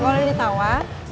lo udah ditawar